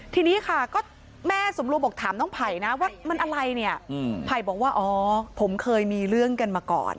ทีนี้ค่ะก็แม่สมรวมบอกถามน้องไผ่นะว่ามันอะไรเนี่ยไผ่บอกว่าอ๋อผมเคยมีเรื่องกันมาก่อน